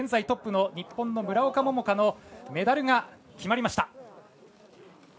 トップの日本の村岡桃佳のメダルが決まりました。